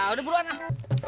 udah buruan lah